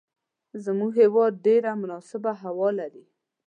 زموږ هیواد ډیره مناسبه هوا لری